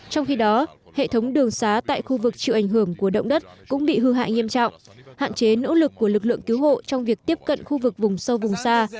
trong khi đó hệ thống đường xá tại khu vực chịu ảnh hưởng của động đất cũng bị hư hại nghiêm trọng hạn chế nỗ lực của lực lượng cứu hộ trong việc tiếp cận khu vực vùng sâu vùng xa